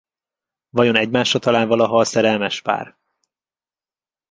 Vajon egymásra talál valaha a szerelmes pár?